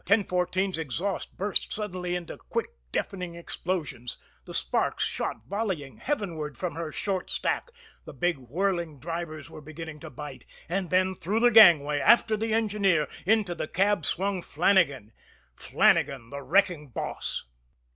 1014's exhaust burst suddenly into quick, deafening explosions, the sparks shot volleying heavenward from her short stack, the big, whirling drivers were beginning to bite and then, through the gangway, after the engineer, into the cab swung Flannagan Flannagan, the wrecking boss.